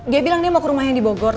dia bilang dia mau ke rumahnya di bogor